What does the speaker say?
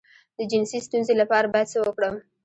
د جنسي ستونزې لپاره باید څه وکړم؟